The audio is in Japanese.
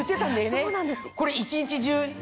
そうなんです。